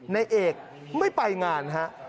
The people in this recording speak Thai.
นายเอกไม่ไปงานฮะ